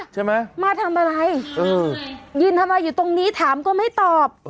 ใช่ไหมมาทำอะไรยืนทำอะไรอยู่ตรงนี้ถามก็ไม่ตอบ